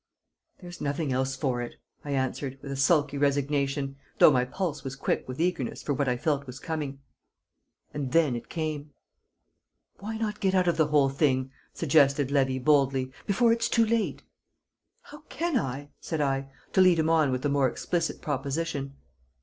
"There's nothing else for it," I answered, with a sulky resignation, though my pulse was quick with eagerness for what I felt was coming. And then it came. "Why not get out of the whole thing," suggested Levy, boldly, "before it's too late?" "How can I?" said I, to lead him on with a more explicit proposition.